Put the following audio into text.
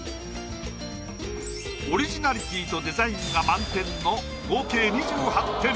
オリジナリティーとデザインが満点の合計２８点。